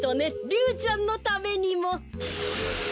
リュウちゃんのためにも。